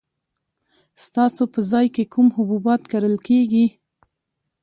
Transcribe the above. ستاسو په ځای کې کوم حبوبات کرل کیږي؟